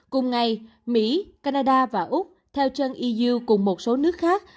cùng ngày mỹ canada và úc theo chân eu cùng một số nước khác